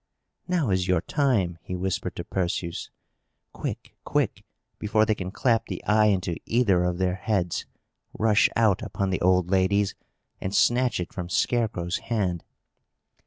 "Now is your time!" he whispered to Perseus. "Quick, quick! before they can clap the eye into either of their heads. Rush out upon the old ladies, and snatch it from Scarecrow's hand!"